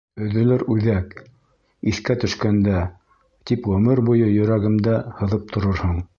Өҙөлөр үҙәк, иҫкә төшкәндә, — тип ғүмер буйы йөрәгемдә һыҙып торорһоң.